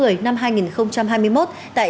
tại nhà văn hóa thường xuân